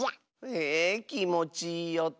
へえきもちいいおと！